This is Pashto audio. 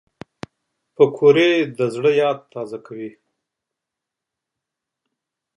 پکورې د زړه یاد تازه کوي